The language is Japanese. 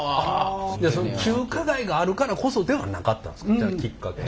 じゃあ中華街があるからこそではなかったんですか。きっかけ。